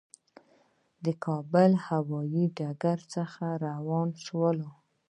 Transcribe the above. د کابل له هوایي ډګر څخه روان شولو.